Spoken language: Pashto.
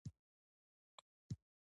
آس منډه کوي.